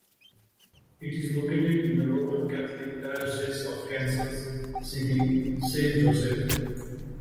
It is located in the Roman Catholic Diocese of Kansas City-Saint Joseph.